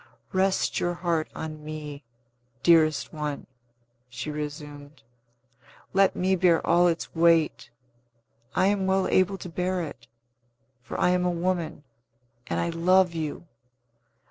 "Rest your heart on me, dearest one!" she resumed. "Let me bear all its weight; I am well able to bear it; for I am a woman, and I love you!